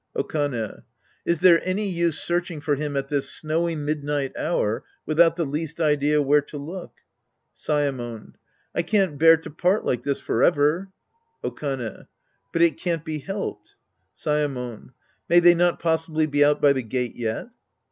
Okane. Is there any use searching for him at this snowy midnight hour without the least idea where to look ? Saemon. I can't bear to part like this forever. Okane. But it can't be helped. Saemon. May they not possibly be out by the gate yet?